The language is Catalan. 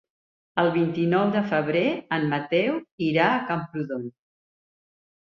El vint-i-nou de febrer en Mateu irà a Camprodon.